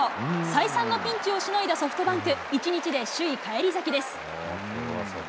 再三のピンチをしのいだソフトバンク、１日で首位返り咲きです。